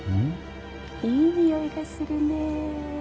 いい匂いがするね。